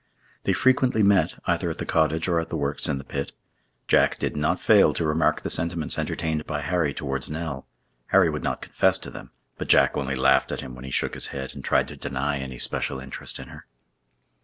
They frequently met, either at the cottage or at the works in the pit. Jack did not fail to remark the sentiments entertained by Harry towards Nell. Harry would not confess to them; but Jack only laughed at him when he shook his head and tried to deny any special interest in her.